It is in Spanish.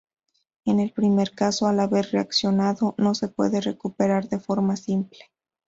En el primer caso, al haber reaccionado, no se puede recuperar de forma simple.